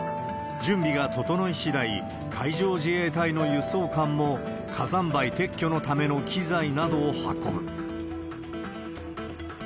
準備が整いしだい、海上自衛隊の輸送艦も、火山灰撤去のための機材などを運ぶ。